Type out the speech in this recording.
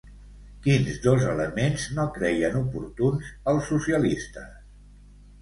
Quins dos elements no creien oportuns els socialistes?